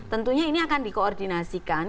tentunya ini akan dikoordinasikan